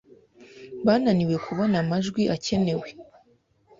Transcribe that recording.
Bananiwe kubona amajwi akenewe.